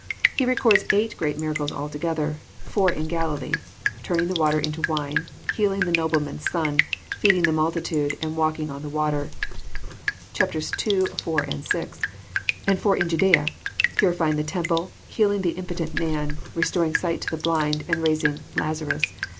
He records eight great miracles altogether: four in Galilee,— turning the water into wine, healing the nobleman's son, feeding the multitude, and walking on the water, (chap, ii., iv., and vi. ;) and four in Jadsea, — purifying the temple, healing the impotent man, re storing sight to the blind, and raising Lazarus.